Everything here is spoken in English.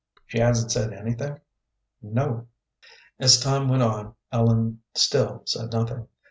"She hasn't said anything?" "No." As time went on Ellen still said nothing.